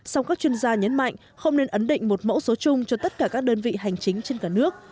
song các chuyên gia nhấn mạnh không nên ấn định một mẫu số chung cho tất cả các đơn vị hành chính trên cả nước